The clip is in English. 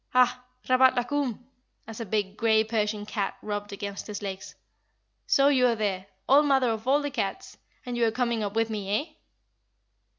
Ah! Rabat la Koum," as a big, grey Persian cat rubbed against his legs, "so you are there, old mother of all the cats; and you are coming up with me, eh?"